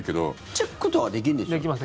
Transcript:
チェックとかはできるんでしょ？